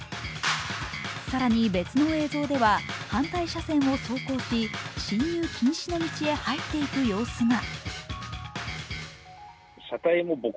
更に、別の映像では、反対車線を走行し進入禁止の道へ入っていく様子が。